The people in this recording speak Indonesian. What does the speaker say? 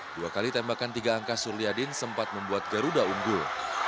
dua kali tembakan tiga angka suryadin sempat membuat garuda unggul